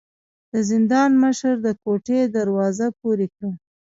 د زندان مشر د کوټې دروازه پورې کړه.